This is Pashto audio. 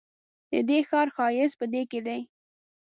ددې ښار ښایست په دې کې دی.